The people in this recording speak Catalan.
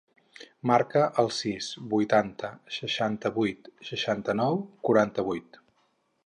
Marca el sis, vuitanta, seixanta-vuit, seixanta-nou, quaranta-vuit.